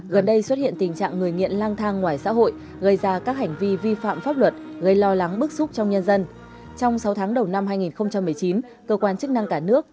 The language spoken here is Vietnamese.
gần đây xuất hiện tình trạng người nghiện lang thang ngoài xã hội gây ra các hành vi vi phạm pháp luật gây lo lắng bức xúc trong nhân dân